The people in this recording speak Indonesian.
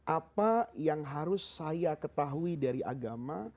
apa yang harus saya ketahui dari agama